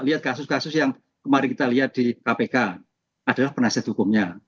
lihat kasus kasus yang kemarin kita lihat di kpk adalah penasihat hukumnya